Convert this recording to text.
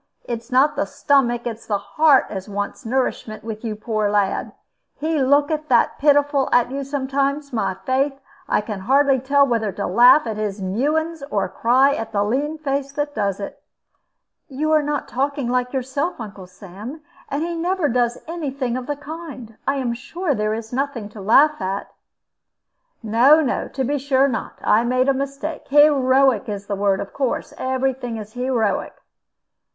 It's not the stomach, it's the heart as wants nourishment with yon poor lad. He looketh that pitiful at you sometimes, my faith, I can hardly tell whether to laugh at his newings or cry at the lean face that does it." "You are not talking like yourself, Uncle Sam. And he never does any thing of the kind. I am sure there is nothing to laugh at." "No, no; to be sure not. I made a mistake. Heroic is the word, of course every thing is heroic."